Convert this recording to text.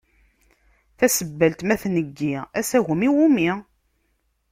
Tasebbalt ma tneggi, asagem iwumi?